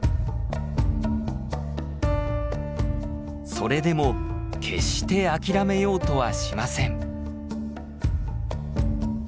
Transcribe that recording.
それでも決して諦めようとはしません。